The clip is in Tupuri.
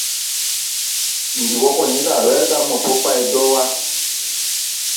Ndi wɔ go ni ga, werga mo po bay do wa.